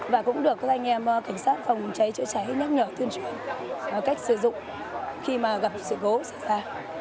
và cũng được các anh em cảnh sát phòng cháy chữa cháy nhắc nhở tuyên truyền cách sử dụng khi mà gặp sự cố xảy ra